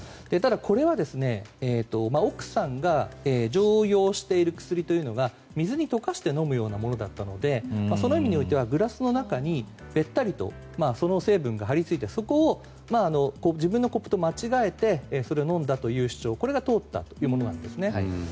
ただ、これは奥さんが常用している薬というのが水に溶かして飲むようなものだったのでその意味においてはグラスの中に、べったりとその成分が張り付いていてそこを自分のコップと間違えてそれを飲んだという主張が通ったものなんです。